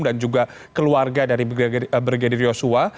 dan juga keluarga dari brigadir yosua